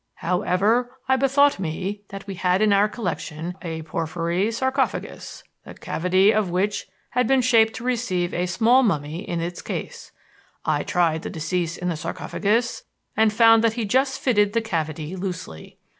However, I bethought me that we had in our collection a porphyry sarcophagus, the cavity of which had been shaped to receive a small mummy in its case. I tried the deceased in the sarcophagus and found that he just fitted the cavity loosely.